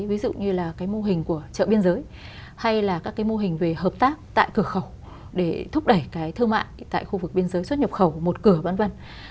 ví dụ như là cái mô hình của chợ biên giới hay là các cái mô hình về hợp tác tại cửa khẩu để thúc đẩy cái thương mại tại khu vực biên giới xuất nhập khẩu một cửa v v